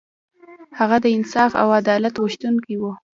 هغه د انصاف او عدالت غوښتونکی و.